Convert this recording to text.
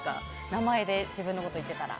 名前で自分のこと言ってたら。